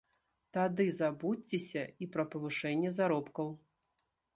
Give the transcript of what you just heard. Тады забудзьцеся і пра павышэнне заробкаў.